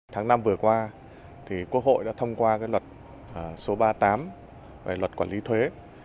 tháng năm vừa qua quốc hội đã thông qua luật số ba mươi tám về luật quản lý thuế